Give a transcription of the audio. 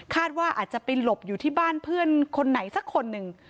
ว่าอาจจะไปหลบอยู่ที่บ้านเพื่อนคนไหนสักคนหนึ่ง